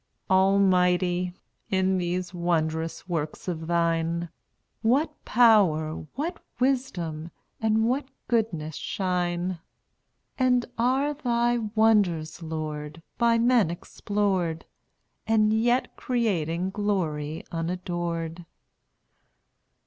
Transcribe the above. Almighty! in these wondrous works of thine, What power, what wisdom, and what goodness shine! And are thy wonders, Lord, by men explored, And yet creating glory unadored?